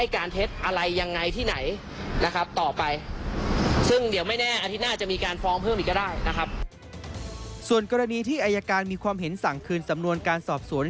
ส่วนกรณีที่อายการมีความเห็นสั่งคืนสำนวนการสอบสวน